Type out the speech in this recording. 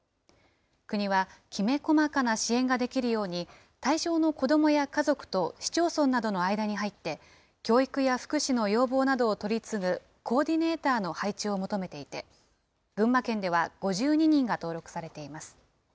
国は、きめ細かな支援ができるように、対象の子どもや家族と市町村などの間に入って、教育や福祉の要望などを取り次ぐコーディネーターの配置を求めていて、群馬県では５２人が登録されています。